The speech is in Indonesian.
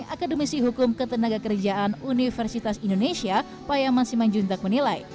akademisi hukum ketenaga kerjaan universitas indonesia payaman simanjuntak menilai